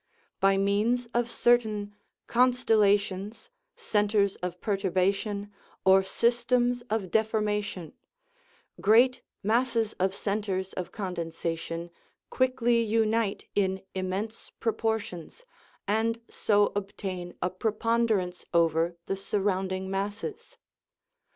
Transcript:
By means of certain "con stellations, centres of perturbation, or systems of de formation/' great masses of centres of condensation quickly unite in immense proportions, and so obtain a preponderance over the surrounding masses.